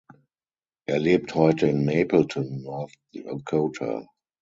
Er lebt heute in Mapleton, North Dakota.